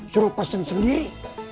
suruh pesen sendiri